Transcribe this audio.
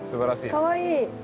かわいい。